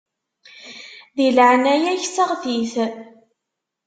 Di leɛnaya-k seɣti-t.